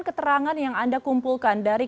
keterangan yang anda kumpulkan dari